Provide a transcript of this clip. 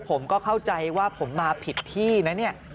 ผมก็เข้าใจว่าผมมาผิดที่นะเนี่ย